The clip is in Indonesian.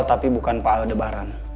tapi bukan pak aldebaran